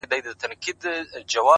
مهرباني د زړونو ترمنځ فاصله کموي!